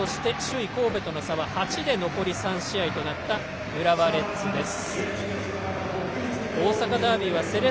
首位・神戸との差は８で残り３試合となった浦和レッズです。